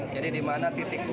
jadi dimana titiknya